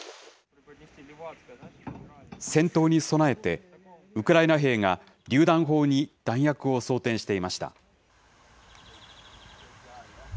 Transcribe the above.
戦闘に備えて、ウクライナ兵がりゅう弾砲に弾薬を装填していました。